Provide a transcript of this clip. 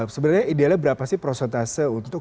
sebenarnya idealnya berapa sih prosentase untuk